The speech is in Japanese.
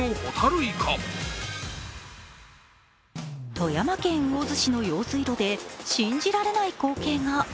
富山県魚津市の用水路で信じられない光景が。